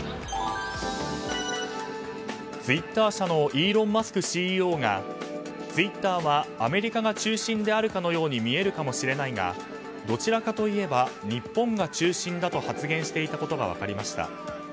ツイッター社のイーロン・マスクＣＥＯがツイッターはアメリカが中心であるかのように見えるかもしれないがどちらかといえば日本が中心だと発言していたことが分かりました。